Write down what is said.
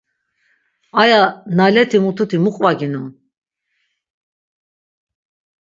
Aya naleti mututi mu qvaginon?